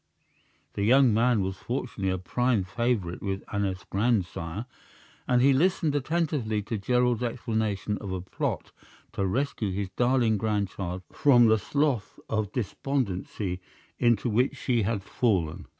The young man was fortunately a prime favorite with Aneth's grandsire, and he listened attentively to Gerald's explanation of a plot to rescue his darling grandchild from the slough of despondency into which she had fallen.